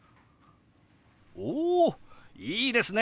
おいいですね！